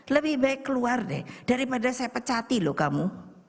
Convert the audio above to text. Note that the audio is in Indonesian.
lebih baik keluar deh daripada saya pecati loh kamu